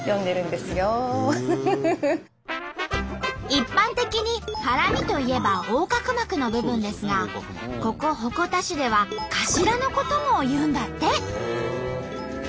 一般的にハラミといえば横隔膜の部分ですがここ鉾田市ではカシラのこともいうんだって！